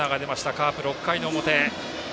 カープ、６回の表。